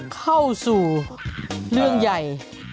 เข้าสู่เรื่องใหญ่